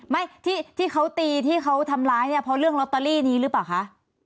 ไม่ที่เขาตีที่เขาทำร้ายเนี่ยเพราะเรื่องลอตเตอรี่นี้หรือเปล่าคะ